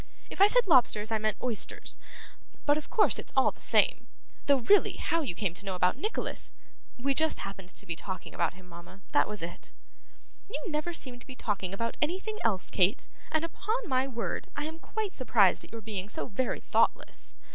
If I said lobsters, I meant oysters, but of course it's all the same, though really how you came to know about Nicholas ' 'We happened to be just talking about him, mama; that was it.' 'You never seem to me to be talking about anything else, Kate, and upon my word I am quite surprised at your being so very thoughtless.